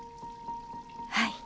はい。